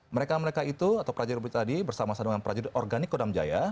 mereka mereka itu atau prajurit tadi bersama sama dengan prajurit organik kodam jaya